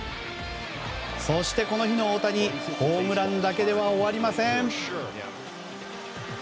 そして、この日の大谷ホームランだけでは終わりません。